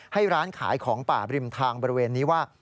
ให้ร้านขายของป่าบริมทางบริเวณนี้ว่า